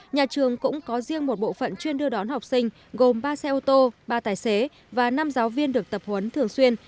nhà trường cũng có riêng một bộ phận chuyên đưa đón học sinh gồm ba xe ô tô ba tài xế và năm giáo viên được tập huấn thường xuyên